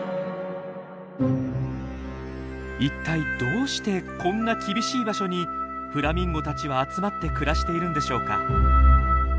一体どうしてこんな厳しい場所にフラミンゴたちは集まって暮らしているんでしょうか。